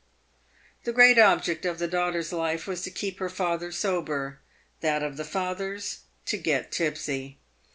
The great object of the daughter's life was to keep her father sober ; that of the father's to get tipsy.